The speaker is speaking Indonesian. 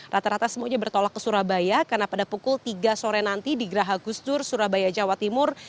rata rata semuanya bertolak ke surabaya karena pada pukul tiga sore nanti di geraha gusdur surabaya jawa timur